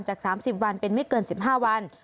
จาก๓๐วันเป็นไม่เกิน๑๕วัน